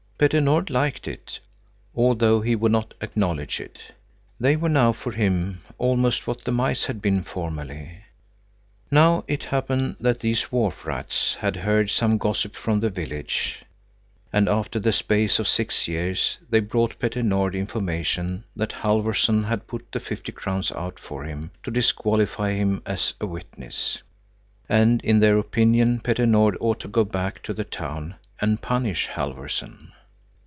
Petter Nord liked it, although he would not acknowledge it. They were now for him almost what the mice had been formerly. Now it happened that these wharf rats had heard some gossip from the village. And after the space of six years they brought Petter Nord information that Halfvorson had put the fifty crowns out for him to disqualify him as a witness. And in their opinion Petter Nord ought to go back to the town and punish Halfvorson.